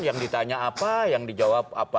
yang ditanya apa yang dijawab apa